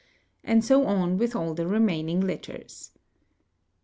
And so on 'with all the remaining letters.